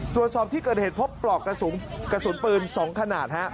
ตรวจสอบที่เกิดเหตุพบปลอกกระสุนปืน๒ขนาด